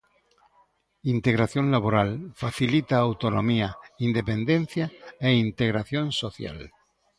Integración laboral: facilita a autonomía, independencia e a integración social.